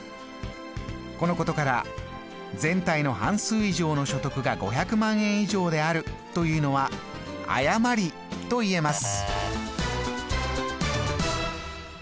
このことから「全体の半数以上の所得が５００万円以上である」というのは誤りと言えます。